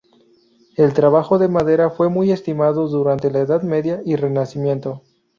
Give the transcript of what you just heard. El trabajo de la madera fue muy estimado durante la Edad Media y Renacimiento.